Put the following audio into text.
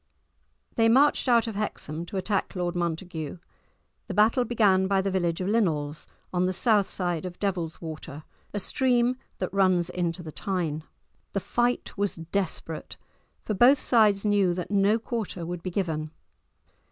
They marched out of Hexham to attack Lord Montague; the battle began by the village of Linnels, on the south side of the Devil's Water, a stream that runs into the Tyne. The fight was desperate, for both sides knew that no quarter would be given.